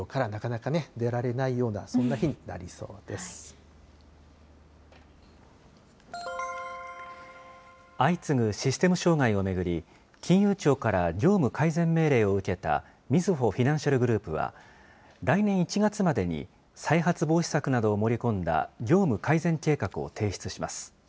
お風呂からなかなかね、出られないような、そんな日になりそうで相次ぐシステム障害を巡り、金融庁から業務改善命令を受けた、みずほフィナンシャルグループは、来年１月までに再発防止策などを盛り込んだ業務改善計画を提出します。